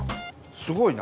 すごいな。